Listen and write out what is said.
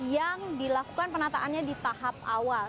yang dilakukan penataannya di tahap awal